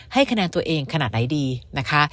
ให้คะแนนตัวเองขนาดไหนดีนะคะ